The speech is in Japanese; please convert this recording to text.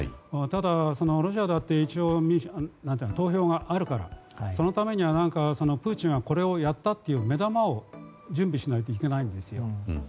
ただ、ロシアだって一応、投票があるからそのためには、プーチンはこれをやったという目玉を準備しないといけないんです。